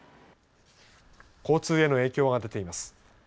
交通への影響が出ています。